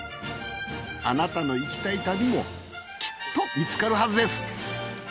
あなたの行きたい旅もきっと見つかるはずです